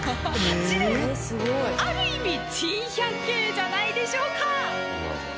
ある意味珍百景じゃないでしょうか？